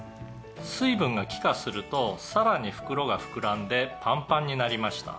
「水分が気化するとさらに袋が膨らんでパンパンになりました」